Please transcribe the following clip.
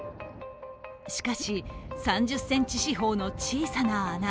しかし、３０ｃｍ四方の小さな穴。